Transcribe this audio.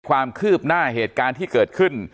ความคืบหน้าเหตุการณ์ที่เกิดขึ้น